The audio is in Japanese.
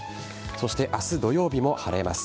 そして明日土曜日も晴れます。